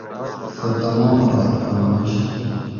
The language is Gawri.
سہۤ تمام رات پھنگنش